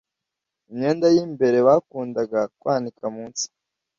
Imyenda y’imbere bakundaga kwanika munsi